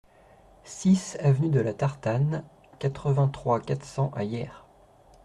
six avenue de la Tartane, quatre-vingt-trois, quatre cents à Hyères